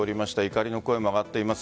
怒りの声も上がっています。